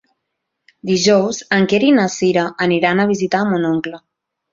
Dijous en Quer i na Cira aniran a visitar mon oncle.